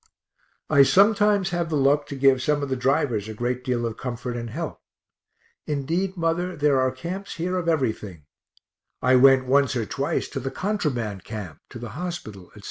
I sometimes have the luck to give some of the drivers a great deal of comfort and help. Indeed, mother, there are camps here of everything I went once or twice to the contraband camp, to the hospital, etc.